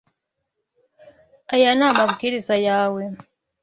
Aya ni amabwiriza yawe.